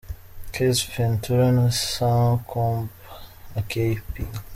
Cassie Ventura na Sean Combs aka P.